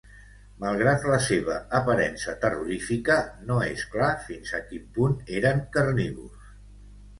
Malgrat la seva aparença terrorífica, no és clar fins a quin punt eren carnívors.